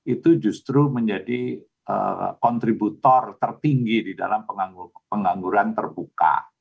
itu justru menjadi kontributor tertinggi di dalam pengangguran terbuka